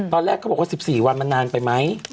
ตอนแรกเขาบอกว่า๑๔วันมันนานไปไหม